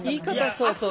そうそう。